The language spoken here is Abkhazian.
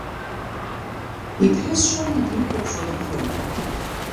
Иԥҳәыс шана дихәаԥшуа дгылан.